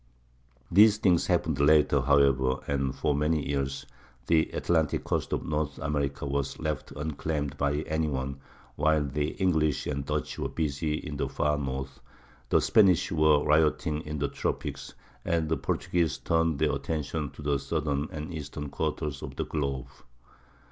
These things happened later, however, and for many years the Atlantic coast of North America was left unclaimed by any one, while the English and Dutch were busy in the far north, the Spanish were rioting in the tropics, and the Portuguese turned their attention to the southern and eastern quarters of the globe.